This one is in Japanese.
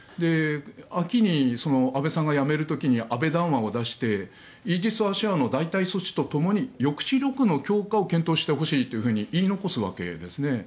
秋に安倍さんが辞める時に安倍談話を出してイージス・アショアの代替措置とともに抑止力の強化を検討してほしいと言い残すわけですね。